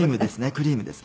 クリームです。